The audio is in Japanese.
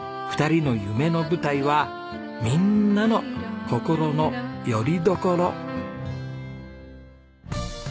２人の夢の舞台はみんなの心のよりどころ。